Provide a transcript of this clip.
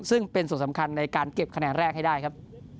ซึ่งเป็นส่วนสำคัญในการเก็บคะแนนแรกให้ได้ครับ